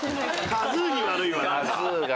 カズーに悪いわ。